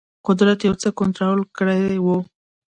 قدرت یو څه کنټرول کړی وو.